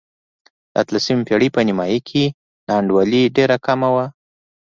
د اتلسمې پېړۍ په نیمايي کې نا انډولي ډېره کمه وه.